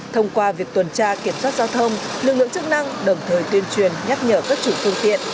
thông qua việc tuần tra kiểm soát giao thông lực lượng chức năng đồng thời tuyên truyền nhắc nhở các chủ phương tiện